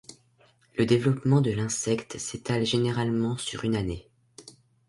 Le développement de l'insecte s'étale généralement sur une année.